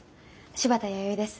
柴田弥生です